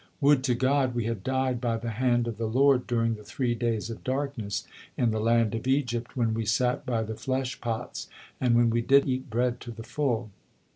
'Would to God we had died by the hand of the Lord during the three days of darkness in the land of Egypt when we sat by the flesh pots, and when we did eat bread to the full.'"